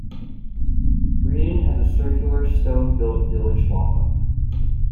Breedon has a circular stone-built village lock-up.